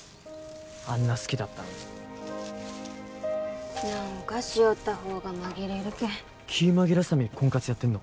あんな好きだったのに何かしよったほうが紛れるけん気紛らすために婚活やってんの？